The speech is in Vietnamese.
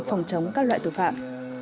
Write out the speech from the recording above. phòng chống các loại tội phạm